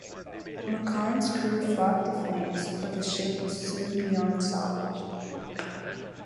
"Macon"s crew fought the flames, but the ship was soon beyond salvage.